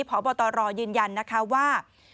พอบอตรอยืนยันว่า